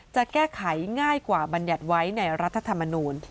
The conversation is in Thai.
จะแก้ไขง่ายกว่าบรรยัติไว้ในรัฐธรรมนูล